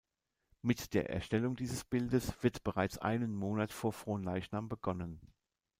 Mit der Erstellung dieses Bildes wird bereits einen Monat vor Fronleichnam begonnen.